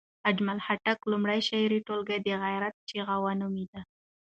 اجمل خټک لومړۍ شعري ټولګه د غیرت چغه نومېده.